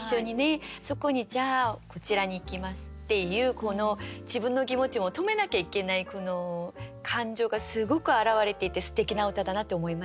そこに「じゃあこちらに行きます」っていうこの自分の気持ちも止めなきゃいけないこの感情がすごく表れていてすてきな歌だなって思いました。